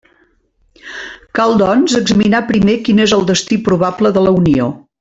Cal, doncs, examinar primer quin és el destí probable de la Unió.